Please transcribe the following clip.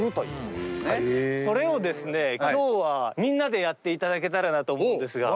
これをですね今日はみんなでやって頂けたらなと思うんですが。